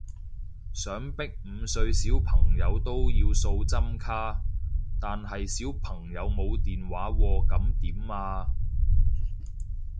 想逼五歲小朋友都要掃針卡，但係小朋友冇電話喎噉點啊？